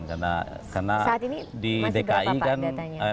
karena saat ini masih berapa pak datanya